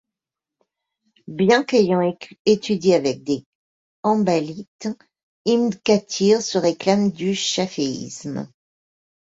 Bien qu'ayant étudié avec des hanbalites, Ibn Kathîr se réclame du chaféisme.